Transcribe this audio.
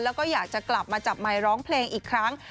แล้วก็อยากจะกลับมาจับไมค์ร้องเพลงอีกครั้ง